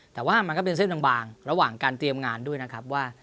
แต่ว่ามันก็เป็นเส้นบางระหว่างการเตรียมงานด้วยนะครับว่า